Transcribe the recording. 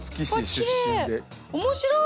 面白い！